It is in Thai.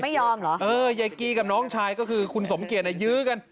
ไม่ยอมเหรอเออยายกีกับน้องชายก็คือคุณสมเกียจอ่ะยื้อกัน